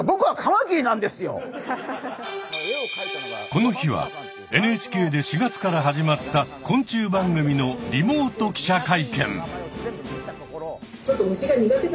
この日はＮＨＫで４月から始まった昆虫番組のリモート記者会見。